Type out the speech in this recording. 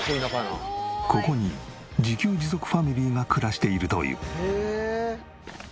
ここに自給自足ファミリーが暮らしているという。